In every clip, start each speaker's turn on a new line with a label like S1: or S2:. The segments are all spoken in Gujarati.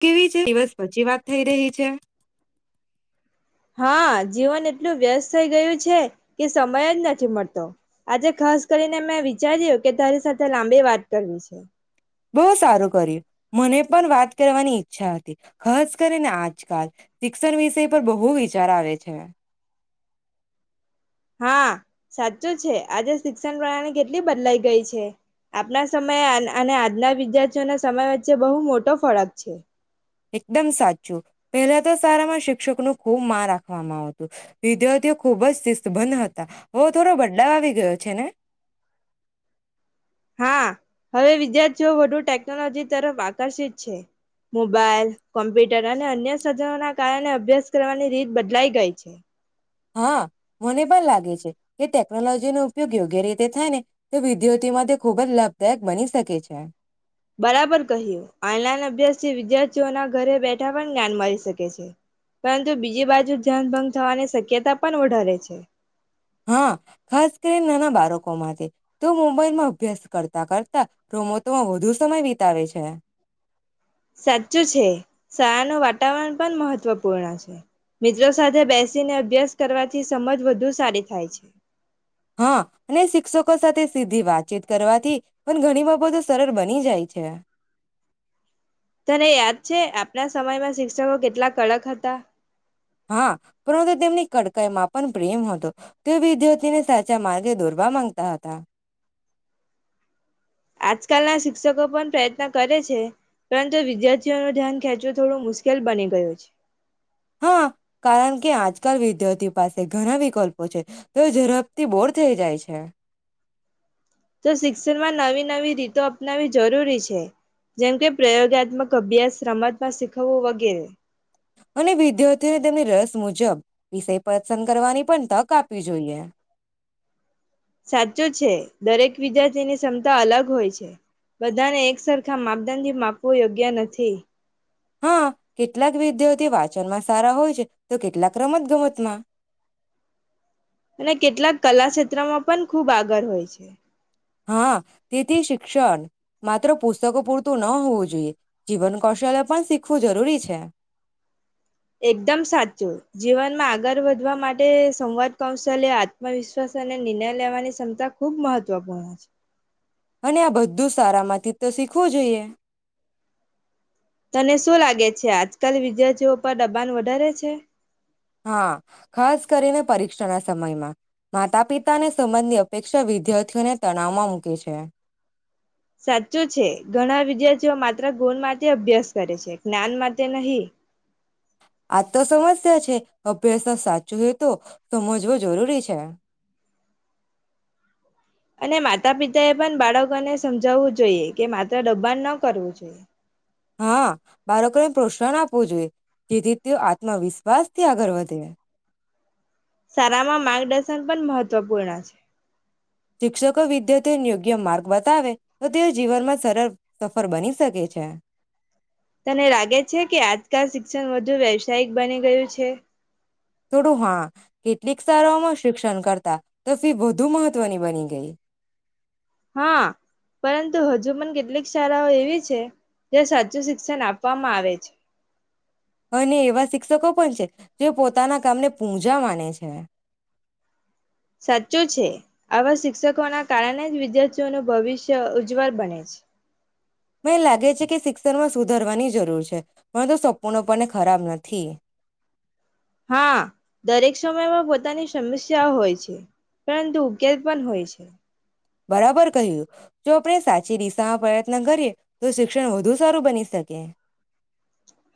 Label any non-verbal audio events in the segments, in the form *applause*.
S1: કેવી છે દિવસ પછી વાત થઈ રહી છે.
S2: હા જીવન એટલું વ્યસ્ત થઈ ગયું છે કે સમય જ નથી મળતો. આજે ખાસ કરીને મેં વિચાર્યું કે તારી સાથે લાંબી વાત કરવી છે.
S1: બહુ સારું કર્યું. મને પણ વાત કરવાની ઈચ્છા હતી. ખાસ કરીને આજકાલ શિક્ષણ વિશે પર બહુ વિચાર આવે છ. છે.
S2: હા સાચું જ છે. આજે શિક્ષણ પ્રણાલી કેટલી બદલાઈ ગઈ છે. આપના સમયે અલ અને આજના વિદ્યાર્થીઓ ના સમય વચ્ચે બહુ મોટો ફરક છે.
S1: એકદમ સાચું, પહેલા તો શાળામાં શિક્ષકનું ખૂબ માં રાખવામાં આવતું. વિદ્યાર્થીઓ ખૂબ જ શિસ્તબંધ હતા, હો થોડો બદલાવ આવી ગયો છે ને?
S2: હા હવે વિદ્યાર્થીઓ વધુ ટેકનોલોજી તરફ આકર્ષિત છે. મોબાઈલ, કોમ્પ્યુટર અને અન્ય સધનો ના કારણે અભ્યાસ કરવાની રીત બદલાઈ ગઈ છે.
S1: હા મને પણ લાગે છે કે ટેકનોલોજીનો ઉપયોગ યોગ્ય રીતે થાય ને તો વિદ્યાર્થીમાં તે ખૂબ જ લાભદાયક બની શકે છે.
S2: બરાબર કહ્યું. ઓનલાઈન અભ્યાસ થી વિદ્યાર્થીઓના ઘરે બેઠા પણ જ્ઞાન મળી શકે છે, પરંતુ બીજી બાજુ ધ્યાન ભંગ થવાની શક્યતા પણ ઓડરે છે.
S1: હા ખાસ કરી નાના બાળક કો માટે તો મોબાઈલમાં અભ્યાસ કરતા કરતા રોમૌમાં વધુ સમય વિતાવે છે.
S2: સાચું છે. શાળાનું વાતાવરણ પણ મહત્વપૂર્ણ છે. મિત્રો સાથે બેસીને અભ્યાસ કરવાથી સમજ વધુ સારી થાય છે.
S1: હા અને શિક્ષકો સાથે સીધી વાતચીત કરવાથી પણ ઘણી બાબતો સરળ બની જાય છે.
S2: તને યાદ છે આપણા સમયમાં શિક્ષકો કેટલા કડક હતા.
S1: હા પરંતુ તેમની કડકાઈમાં પણ પ્રેમ હતો. તેઓ વિદ્યાર્થીને સાચા માર્ગે દોરવા માંગતા હતા.
S2: આજકાલના શિક્ષકો પણ પ્રયત્ન કરે છે, પરંતુ વિદ્યાર્થીઓ નું ધ્યાન ખેંચવું થોડું મુશ્કેલ બની ગયું છે.
S1: હા કારણ કે આજકાલ વિદ્યાર્થીઓ પાસે ઘણા વિકલ્પો છે, તો એ ઝડપથી બોર થઈ જાય છે.
S2: તો શિક્ષણમાં નવી-નવી રીતો અપનાવી જરૂરી છે, જેમ કે પ્રયોગાત્મક અભ્યાસ, રમતમાં શીખવવું વગેરે.
S1: અને વિદ્યાર્થીઓએ તેમની રસ મુજબ વિષય પસંદ કરવાની પણ તક આપવી જોઈએ.
S2: સાચું છે. દરેક વિદ્યાર્થીની ક્ષમતા અલગ હોય છે. બધાને એક સરખા માપદંડ માપવું યોગ્ય નથી.
S1: હા કેટલાક વિદ્યાર્થી વાંચનમાં સારા હોય છે, તો કેટલાક રમત ગમતમાં.
S2: અને કેટલાક કલા ક્ષેત્રમાં પણ ખૂબ આગળ હોય છે.
S1: હા તેથી શિક્ષણ માત્ર પુસ્તકો પૂરતું ન હોવું જોઈએ. જીવન કૌશલ્ય પણ શીખવું જરૂરી છે.
S2: એકદમ સાચું. જીવનમાં આગળ વધવા માટે સંવાદ કૌશલ્ય, આત્મવિશ્વાસ અને નિર્ણય લેવાની ક્ષમતા ખૂબ મહત્વપૂર્ણ છે.
S1: અને આ બધું સારામાં *unintelligible* તો શીખવું જોઈએ.
S2: તને શું લાગે છે આજકાલ વિદ્યાર્થીઓ પર દબાણ વધારે છે?
S1: હા ખાસ કરીને પરીક્ષાના સમયમાં. માતાપિતાને સંબંધની અપેક્ષા વિદ્યાર્થીઓને તણાવમાં મૂકે છે.
S2: સાચું છે. ઘણા વિદ્યાર્થીઓ માત્ર ગુણ માટે અભ્યાસ કરે છે, જ્ઞાન માટે નહીં.
S1: આ તો સમસ્યા છે, અભ્યાસ જો સાચું હોય તો સમજવો જરૂરી છે.
S2: અને માતા પિતા એ પન બાળકોને સમજાવવું જ જોઈએ કે, માત્ર દબાણ ન કરવું જોઈએ.
S1: હા, બાળકોને પ્રોત્સાહન આપવું જોઈએ. જેથી તેઓ આત્મવિશ્વાસથી આગળ વધે.
S2: શાળામાં માર્ગદર્શન પણ મહત્વપૂર્ણ છે.
S1: શિક્ષકો વિદ્યાર્થી ને યોગ્ય માર્ગ બતાવે, તો તેઓ જીવનમાં સરળ સફળ બની શકે છે.
S2: તને લાગે છે કે, આજકાલ શિક્ષણ વધુ વ્યવસાયિક બની ગયું છે?
S1: થોડું, હા. કેટલીક શાળાઓમાં શિક્ષણ કરતા તો ફી વધુ મહત્ત્વની બની ગઈ.
S2: હા, પરંતુ હજુ પણ કેટલીક શાળાઓ એવી છે જ્યાં સાચું શિક્ષણ આપવામાં આવે છે.
S1: અને એવા શિક્ષકો પણ છે, જે પોતાના કામને પૂજા માને છે.
S2: સાચું છે. આવા શિક્ષકોના કારણે જ વિદ્યાર્થીઓનું ભવિષ્ય ઉજ્જવળ બને છે.
S1: મેં લાગે છે કે સિક્ શિક્ષણ માં સુધરવાની જરૂર છે, પરંતુ સપૂર્ણપણે ખરાબ નથી.
S2: હા દરેક સમયમાં પોતાની સમસ્યાઓ હોય છે, પરંતુ ઉકેલ પણ હોય છે.
S1: બરાબર કહ્યું. જો આપણે સાચી દિશામાં પ્રયત્ન કરીએ, તો શિક્ષણ વધુ સારું બની શકે.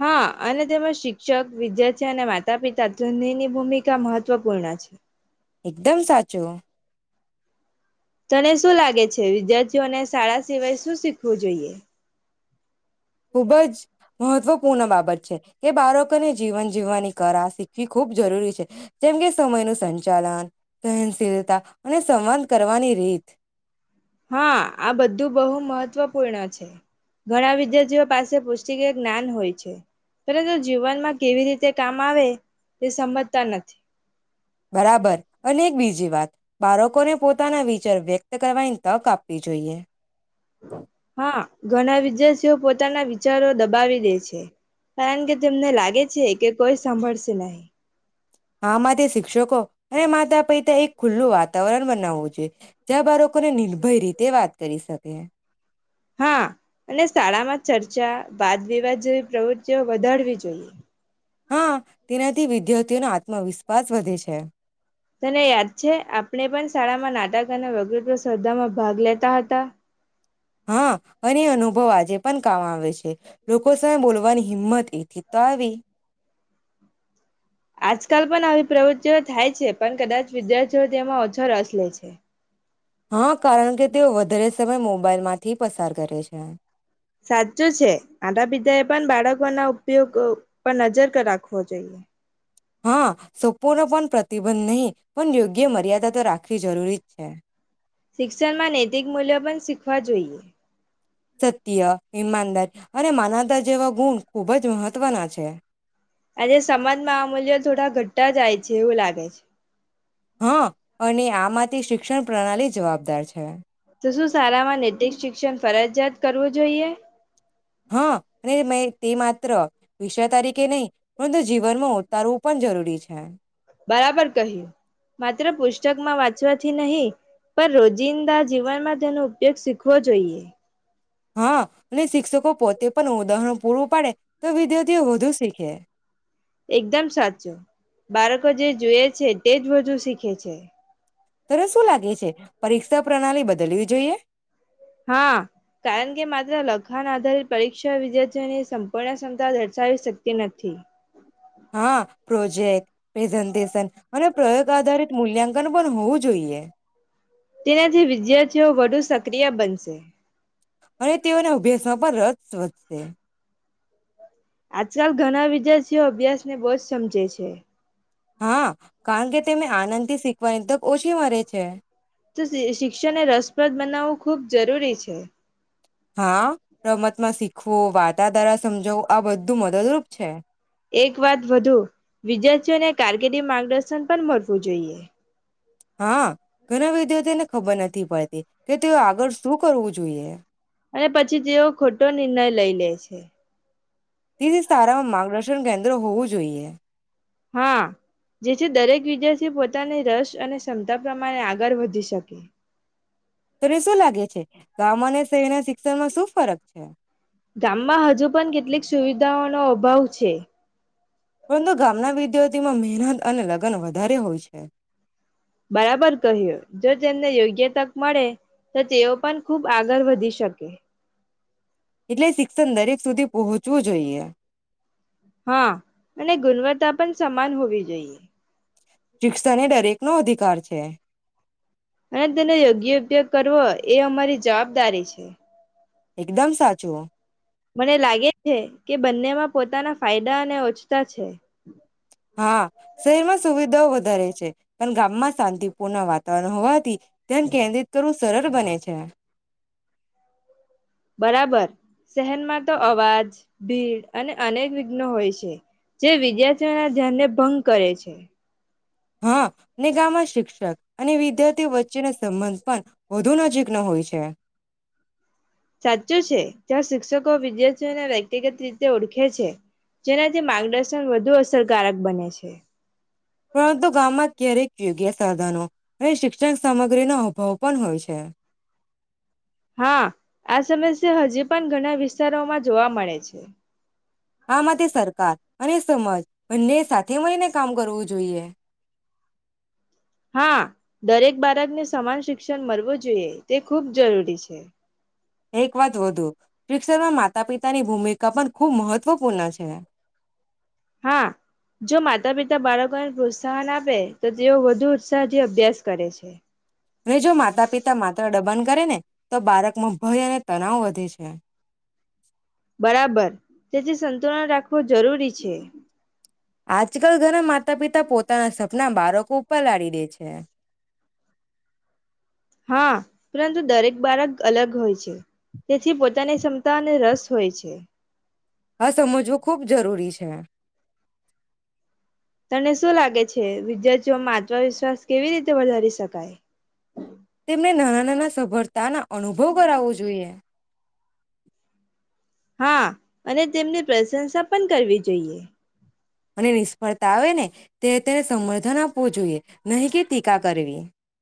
S2: હા અને તેમાં શિક્ષક, વિદ્યાર્થી અને માતા પિતા ત્રણેય ની ભૂમિકા મહત્વપૂર્ણ છે.
S1: એકદમ સાચું.
S2: તને શું લાગે છે? વિદ્યાર્થીઓને શાળા સિવાય શું શીખવું જોઈએ?
S1: ખુબ જ મહત્વપૂર્ણ બાબત છે. કે બાળકોને જીવન જીવવાની કળા શીખવી ખૂબ જરૂરી છે, જેમકે સમયનું સંચાલન, સહનશીલતા અને સંવાદ કરવાની રીત.
S2: હા, આ બધું બહુ મહત્વપૂર્ણ છે ઘણા વિદ્યાર્થીઓ પાસે પુસ્તકીય જ્ઞાન હોય છે, પરંતુ જીવનમાં કેવી રીતે કામ આવે એ સમજતા નથી.
S1: બરાબર અને એક બીજી વાત બાળકોને પોતાના વિચાર વ્યક્ત કરવાની તક આપવી જોઈએ.
S2: હા. ઘણા વિદ્યાર્થીઓ પોતાના વિચારો દબાવી દે છે, કારણ કે તેમને લાગે છે કે કોઈ સાંભળશે નહી.
S1: આ માટે શિક્ષકો અને માતા પિતા એક ખુલ્લું વાતાવરણ બનાવવું જોઈએ. જ્યાં બાળકોને નિર્ભય રીતે વાત કરી શકે.
S2: હા અને શાળામાં ચર્ચા, વાદ વિવાદ જેવી પ્રવૃત્તિઓ વધારવી જોઈએ.
S1: હા, તેનાથી વિદ્યાર્થીઓનો આત્મવિશ્વાસ વધે છે.
S2: તને યાદ છે, આપણે પણ શાળામાં નાટક અને વકૃત્વ સ્પર્ધામાં ભાગ લેતા હતા.
S1: હા અને અનુભવ આજે પણ કામ આવે છે, લોકો સામે બોલવાની હિંમત એથી તો આવી.
S2: આજકાલ પણ આવી પ્રવૃત્તિઓ થાય છે, પણ કદાચ વિદ્યાર્થીઓ તેમાં ઓછો રસ લે છે.
S1: હા, કારણ કે તેઓ વધારે સમય મોબાઈલમાંથી પસાર કરે છે.
S2: સાચું છે. માતા, પિતા એ પણ બાળકોના ઉપયોગ પર નજર રાખવો જોઈએ.
S1: હા, સપૂર્ણ પણ પ્રતિબંધ નહીં પણ યોગ્ય મર્યાદા તો રાખવી જરૂરી જ છે.
S2: શિક્ષણમાં નૈતિક મૂલ્યો પણ શીખવા જોઈએ.
S1: સત્ય, ઈમાનદાર અને માનવદાર જેવા ગુણ ખૂબ જ મહત્ત્વના છે.
S2: અને સમાજમાં આ મૂલ્ય થોડા ઘટતા જાય છે, એવું લાગે છે.
S1: હા અને આમાંથી શિક્ષણ પ્રણાલી જવાબદાર છે.
S2: તો શું, શાળા માં નૈતિક શિક્ષણ ફરજિયાત કરવું જોઈએ.
S1: હા અને અ તે માત્ર વિશ્વ તરીકે નહીં, પરંતુ જીવનમાં ઉતારવું પણ જરૂરી છે.
S2: બરાબર કહ્યું. માત્ર પુસ્તકમાં વાંચવાથી નહી, પર રોજિંદા જીવનમાં તેનો ઉપયોગ શીખવો જોઈએ.
S1: હા અને શિક્ષકો પોતે પન ઉદાહરણ પૂરું પાડે. તો વિદ્યાર્થીઓ વધુ શીખે.
S2: એકદમ સાચું બાળકો જે જુવે છે, તેજ બધુ શીખે છે.
S1: ત્યારે શું લાગે છે પરીક્ષા પ્રણાલી બદલવી જોઈએ.
S2: હા કારણ કે માત્ર લખાણ આધારિત પરીક્ષા વિદ્યાર્થીઓની સંપૂર્ણ ક્ષમતા દર્શાવી શકતી નથી.
S1: હા પ્રેઝન્ટેશન અને પ્રયોગ આધારિત મૂલ્યાંકન પણ હોવું જોઈએ
S2: તેનાથી વિદ્યાર્થીઓ વધુ સક્રિય બનશે.
S1: અને તેઓને અભ્યાસમાં પણ ર વધશે.
S2: આજકાલ ઘણા વિદ્યાર્થીઓ અભ્યાસને બહુજ સમજે છે
S1: હા કારણ કે તેને આનંદથી શીખવાની તો ઓછી મલે છે.
S2: તો શિક્ષણને રસપ્રદ બનાવવું ખૂબ જરૂરી છે.
S1: હા રમત માં શીખ હો વાતા દાડા સમજો આ બધું મદદરૂપ છે.
S2: એક વાત વધુ વિદ્યાર્થીઓને કારકિર્દી માર્ગદર્શન પણ મળવું જોઈએ.
S1: હા, ઘણા વિદ્યાર્થીને ખબર નથી પડતી કે તે આગળ શું કરવું જોઈએ.
S2: અને પછી તેઓ ખોટો નિર્ણય લઈ લે છે.
S1: તેથી સારામાં માર્ગદર્શન કેન્દ્ર હોવું જોઈએ.
S2: હા, જેથી દરેક વિદ્યાર્થી પોતાની રસ અને ક્ષમતા પ્રમાણે આગળ વધી શકે.
S1: તને શું લાગે છે, ગામમાં અને શહેરના શિક્ષણ માં શું ફરક છે?
S2: ગામમાં હજુ પણ કેટલીક સુવિધાઓનો અભાવ છે.
S1: પરંતુ ગામના વિદ્યુ તેમાં મહેનત અને લગ્ન વધારે હોય છે.
S2: બરાબર કહ્યું. જો તેમને યોગ્ય તક મળે તો તેઓ પણ ખુબ આગળ વધી શકે.
S1: એટલે શિક્ષણ દરેક સુધી પહોંચવું જોઈએ.
S2: હા અને ગુણવત્તા પણ સમાન હોવી જોઈએ.
S1: શિક્ષાને દરેક નો અધિકાર છે.
S2: અને તેનો યોગ્ય ઉપયોગ કરવો એ અમારી જવાબદારી છે.
S1: એકદમ સાચું.
S2: મને લાગે છે કે બંનેમાં પોતાના ફાયદા અને ઓછતા છે.
S1: હા, શહેરમાં સુવિધાઓ વધારે છે પણ ગામમાં શાંતિપૂર્ણ વાતાવરણ હોવાથી ધ્યાન કેન્દ્રિત કરવું સરળ બને છે.
S2: બરાબર શહેરમાં તો અવાજ, ભીડ અને અનેક વિઘ્નો હોય છે જે વિદ્યાર્થીઓના ધ્યાનને ભંગ કરે છે.
S1: હા ને ગામમાં શિક્ષક અને વિદ્યાર્થીઓ વચ્ચેનો સંબંધ પણ વધુ નજીકનો હોય છે.
S2: સાચું છે જ્યાં શિક્ષકો વિદ્યાર્થીઓને વ્યક્તિગત રીતે ઓળખે છે, જેનાથી માર્ગદર્શન વધુ અસરકારક બને છે.
S1: પરંતુ ગામમાં ક્યારેક યોગ્ય સાધનો અને શિક્ષણ સામગ્રીનો અભાવ પણ હોય છે.
S2: હા આ સમસ્યા હજી પણ ઘણા વિસ્તારોમાં જોવા મળે છે.
S1: આ માટે સરકાર અને સમાજ બંને સાથે મળીને કામ કરવું જોઈએ.
S2: હા દરેક બાળકને સમાન શિક્ષણ મળવું જોઈએ તે ખૂબ જરૂરી છે.
S1: એક વાત વધુ શિક્ષણમાં માતા પિતાની ભૂમિકા પણ ખૂબ મહત્વપૂર્ણ છે.
S2: હા જો માતા પિતા બાળકોને પ્રોત્સાહન આપે તો તેઓ વધુ ઉત્સાહથી અભ્યાસ કરે છે.
S1: હ જો માતા પિતા માત્ર ડબાન કરે ને તો બાળકમાં ભય અને તણવ વધે છે.
S2: બરાબર તેથી સંતુલન રાખવું જરૂરી છે.
S1: આજકાલ ઘણા મા તા પિતા પોતા સ ના બાળકો પર લાદી દે છે.
S2: હા પરંતુ દરેક બાળક અલગ હોય છે, તેથી પોતાની ક્ષમતા અને રસ હોય છે.
S1: આ સમજવો ખૂબ જરૂરી છે.
S2: તને શું લાગે છે વિદ્યાર્થીઓમાં આત્મવિશ્વાસ કેવી રીતે વધારી શકાય?
S1: તેમને નાના-નાના સફળતાના અનુભવ કરાવવો જોઈએ.
S2: હા અને તેમને પ્રશંસા પણ કરવી જોઈએ.
S1: અને નિષ્ફળતા આવે ને તે તેને સમર્ધન આપવું જોઈએ નહીં કે ટીકા કરવી.